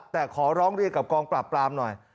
แต่ขอร้องเรียนกับกองปราบปรามหน่อย